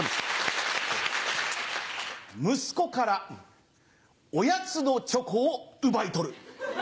息子からおやつのチョコを奪い取る！